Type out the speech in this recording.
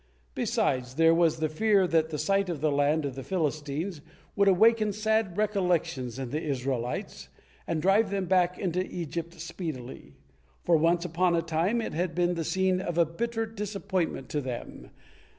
Besides, there was the fear that the sight of the land of the Philistines would awaken sad recollections in the Israelites, and drive them back into Egypt speedily, for once upon a time it had been the scene of a bitter disappointment to them.